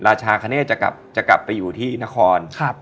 ราชาคณก็จะกลับไปอยู่ที่นครครับ